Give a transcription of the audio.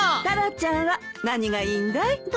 タラちゃんは何がいいんだい？